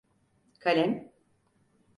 Kalem?